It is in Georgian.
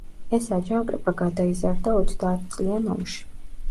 ეს აჯანყება გადაიზარდა ოცდაათწლიან ომში.